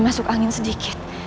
masuk angin sedikit